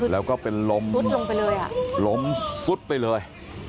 แล้วก็ล้มสุดไปเลย